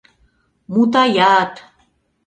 Мутаят!»